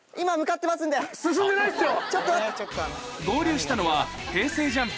進んでないですよ。